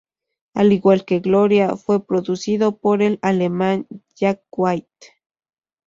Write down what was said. Al igual que "Gloria", fue producido por el alemán Jack White.